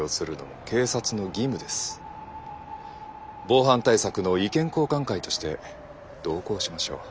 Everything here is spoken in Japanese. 防犯対策の意見交換会として同行しましょう。